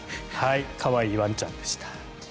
可愛いワンちゃんでした。